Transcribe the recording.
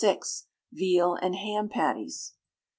Veal and Ham Patties.